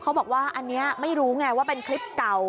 เขาบอกว่าอันนี้ไม่รู้ไงว่าเป็นคลิปเก่า